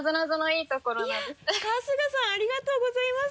いや春日さんありがとうございます。